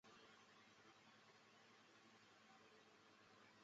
糖尿病酮症酸中毒的病发率因地区而异。